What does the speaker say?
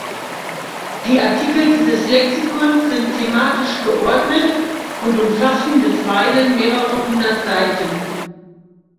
Die Artikel dieses Lexikons sind thematisch geordnet und umfassen bisweilen mehrere hundert Seiten.